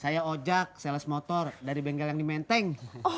saya ojak sales motor dari bengkel yang dimenteng